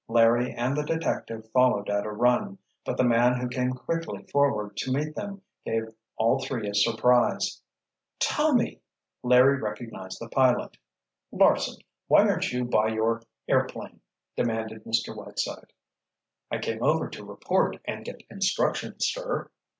Larry and the detective followed at a run. But the man who came quickly forward to meet them gave all three a surprise. "Tommy!" Larry recognized the pilot. "Larsen, why aren't you by your airplane?" demanded Mr. Whiteside. "I came over to report and get instructions, sir."